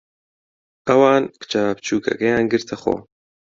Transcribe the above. ئەوان کچە بچووکەکەیان گرتەخۆ.